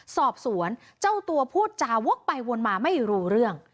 สอบสวนเจ้าตัวพูดจาวกไปวนมาไม่รู้เรื่อง